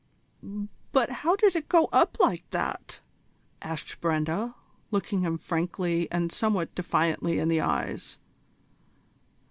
"But how did it go up like that?" asked Brenda, looking him frankly and somewhat defiantly in the eyes.